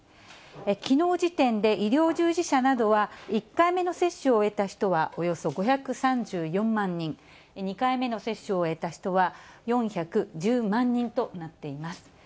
きのう時点で、医療従事者などは１回目の接種を終えた人はおよそ５３４万人、２回目の接種を終えた人は４１０万人となっています。